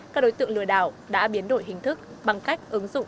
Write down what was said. các đối tượng lừa đảo đã biến đổi hình thức bằng cách ứng dụng